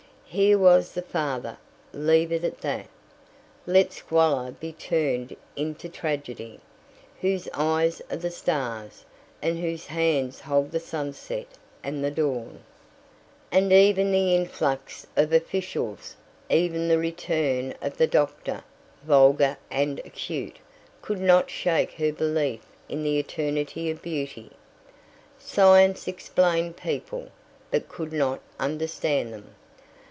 Here was the father; leave it at that. Let Squalor be turned into Tragedy, whose eyes are the stars, and whose hands hold the sunset and the dawn. And even the influx of officials, even the return of the doctor, vulgar and acute, could not shake her belief in the eternity of beauty. Science explained people, but could not understand them.